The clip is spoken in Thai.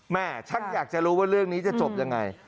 ฉันอยากจะรู้ว่าเรื่องนี้จะจบยังไง